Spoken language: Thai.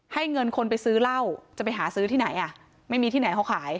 เงินคนไปซื้อเหล้าจะไปหาซื้อที่ไหนอ่ะไม่มีที่ไหนเขาขาย